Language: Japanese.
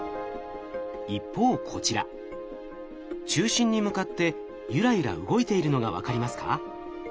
一方こちら中心に向かってゆらゆら動いているのが分かりますか？